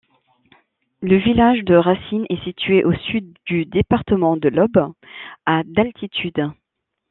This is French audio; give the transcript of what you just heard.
Le village de Racines est situé au sud du département de l'Aube, à d'altitude.